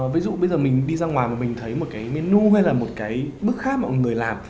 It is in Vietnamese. ví dụ bây giờ mình đi ra ngoài mà mình thấy một cái menu hay là một cái bức khác mà mọi người làm